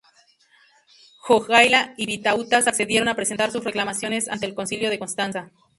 Jogaila y Vitautas accedieron a presentar sus reclamaciones ante el Concilio de Constanza.